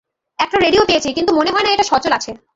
একটা রেডিও পেয়েছি কিন্তু মনে হয় না এটা সচল আছে।